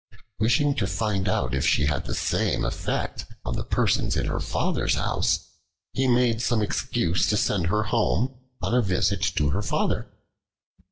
Wishing to find out if she had the same effect on the persons in her father's house, he made some excuse to send her home on a visit to her father.